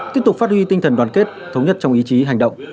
tiếp tục phát huy tinh thần đoàn kết thống nhất trong ý chí hành động